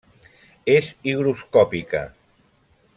És higroscòpica.